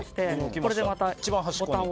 これでボタンを。